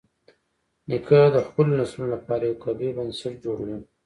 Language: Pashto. نیکه د خپلو نسلونو لپاره یو قوي بنسټ جوړوي.